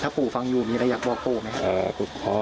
ปู่ฟังอยู่มีอะไรอยากบอกปู่ไหมครับ